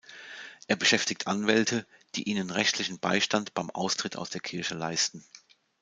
Er beschäftigt Anwälte, die ihnen rechtlichen Beistand beim Austritt aus der Kirche leisten.